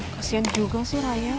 kasian juga sih rayang